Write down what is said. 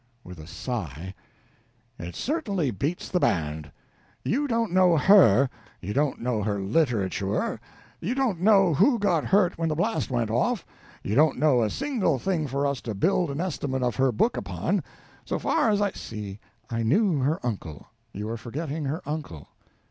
(With a sigh). It certainly beats the band! You don't know her, you don't know her literature, you don't know who got hurt when the blast went off, you don't know a single thing for us to build an estimate of her book upon, so far as I C. I knew her uncle. You are forgetting her uncle.